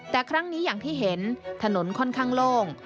แต่ครั้งนี้อย่างที่เห็นถนนค่อนข้างโล่ง